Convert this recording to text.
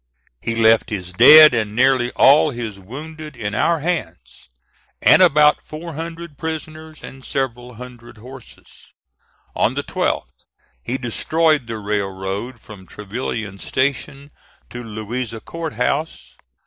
He left his dead and nearly all his wounded in our hands, and about four hundred prisoners and several hundred horses. On the 12th he destroyed the railroad from Trevilian Station to Louisa Court House.